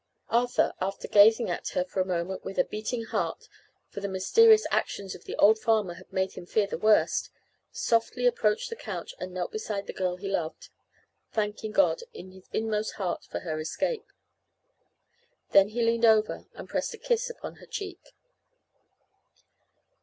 Arthur, after gazing at her for a moment with a beating heart, for the mysterious actions of the old farmer had made him fear the worst, softly approached the couch and knelt beside the girl he loved, thanking; God in his inmost heart for her escape. Then he leaned over and pressed a kiss upon her cheek.